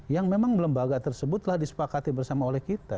yang memang lembaga tersebutlah disepakati bersama oleh kita